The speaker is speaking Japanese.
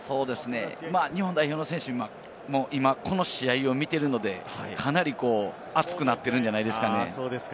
日本代表の選手、今この試合を見ているので、かなり熱くなっているんじゃないですかね。